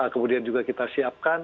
kemudian juga kita siapkan